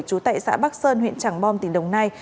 trú tại xã bắc sơn huyện trảng bom tỉnh đồng nai